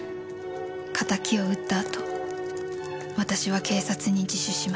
「仇を討った後私は警察に自首します」